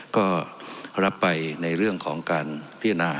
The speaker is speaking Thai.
ก็รับไปในเรื่องของการพิจารณา